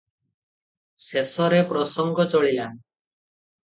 ଶେଷରେ ପ୍ରସଙ୍ଗ ଚଳିଲା ।